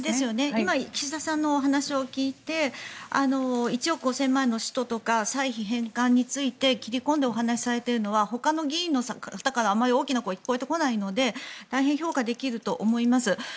今、岸田さんのお話を聞いて１億５０００万円の使途とか歳費返還について切り込んでお話をされているのはほかの議員の方からあまり大きな声は聞こえてこないので大変評価できると思います。